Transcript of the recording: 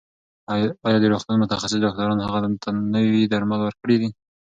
ایا د روغتون متخصص ډاکټرانو هغې ته نوي درمل ورکړي دي؟